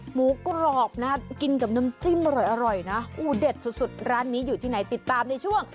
หมูกรอบนะกินกับน้ำจิ้มอร่อยนะอู๋เด็ดสุดร้านนี้อยู่ที่ไหนติดตามในช่วง